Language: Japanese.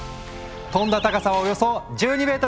飛んだ高さはおよそ１２メートル！